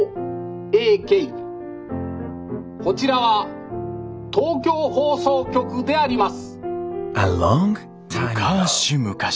こちらは東京放送局であります」。